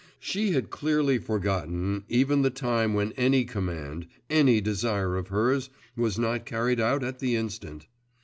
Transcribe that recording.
She had clearly forgotten even the time when any command, any desire of hers, was not carried out at the instant!